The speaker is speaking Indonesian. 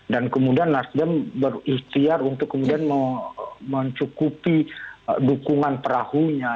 dan kemudian nasdem berikhtiar untuk kemudian mencukupi dukungan perahunya